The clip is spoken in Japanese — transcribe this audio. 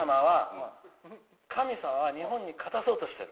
神様は日本に勝たそうとしている。